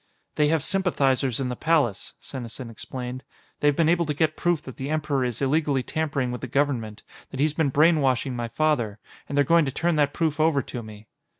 "They have sympathizers in the Palace," Senesin explained. "They've been able to get proof that the Emperor is illegally tampering with the Government, that he's been brainwashing my father. And they're going to turn that proof over to me."